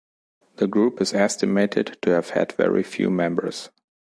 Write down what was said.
The group is estimated to have had very few members.